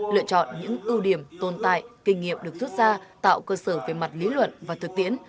lựa chọn những ưu điểm tồn tại kinh nghiệm được rút ra tạo cơ sở về mặt lý luận và thực tiễn